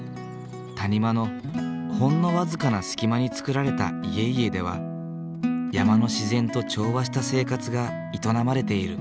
谷間のほんの僅かな隙間に造られた家々では山の自然と調和した生活が営まれている。